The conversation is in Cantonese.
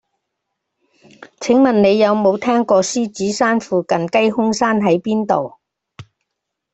請問你有無聽過獅子山附近雞胸山喺邊度